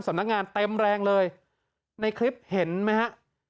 สำนักงานเต็มแรงเลยในคลิปเห็นไหมฮะ